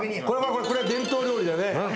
これは伝統料理だよね